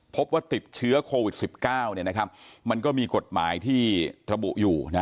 พบว่าติดเชื้อโควิด๑๙มันก็มีกฎหมายที่ระบุอยู่